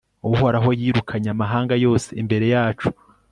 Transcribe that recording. uhoraho yirukanye amahanga yose imbere yacu